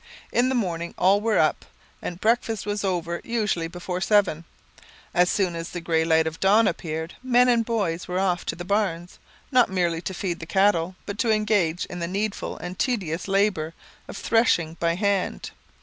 In the morning all were up, and breakfast was over usually before seven. As soon as the gray light of dawn appeared, men and boys were off to the barns, not merely to feed the cattle but to engage in the needful and tedious labour of threshing by hand.